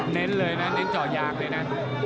เน้นเลยนะเน้นเจาะยางเลยนะ